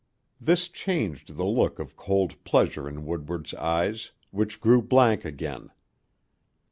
This changed the look of cold pleasure in Woodward's eyes, which grew blank again.